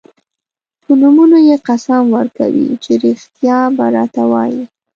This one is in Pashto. په نومونو یې قسم ورکوي چې رښتیا به راته وايي.